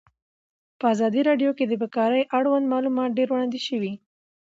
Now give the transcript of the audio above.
په ازادي راډیو کې د بیکاري اړوند معلومات ډېر وړاندې شوي.